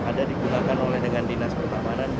ada digunakan oleh dengan dinas pertamanan